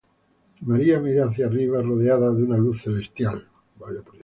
María mira hacia arriba, rodeada de una luz celestial.